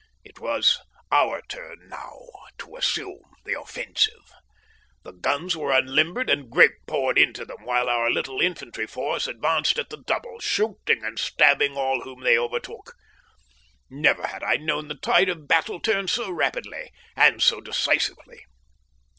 It was our turn now to assume the offensive. The guns were unlimbered and grape poured into them, while our little infantry force advanced at the double, shooting and stabbing all whom they overtook. Never had I known the tide of battle turn so rapidly and so decisively.